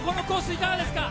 いかがですか。